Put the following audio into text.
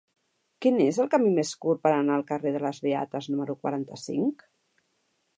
Quin és el camí més curt per anar al carrer de les Beates número quaranta-cinc?